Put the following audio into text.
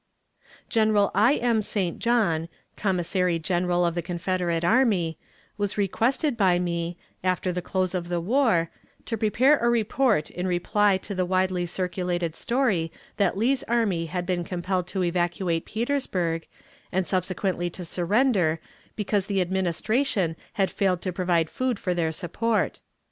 General I. M. St. John, Commissary General of the Confederate Army, was requested by me, after the close of the war, to prepare a report in reply to the widely circulated story that Lee's army had been compelled to evacuate Petersburg, and subsequently to surrender because the Administration had failed to provide food for their support.